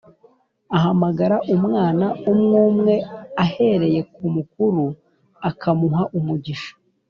ahamagara umwana umwumwe ahereye ku mukuru akamuha umugisha